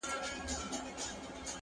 موږ په دې ساحل کي آزمېیلي توپانونه دي٫